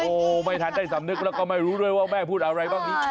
โอ้โหไม่ทันได้สำนึกแล้วก็ไม่รู้ด้วยว่าแม่พูดอะไรบ้างนี้